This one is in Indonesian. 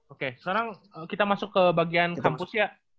oke sekarang kita masuk ke bagian kampus ya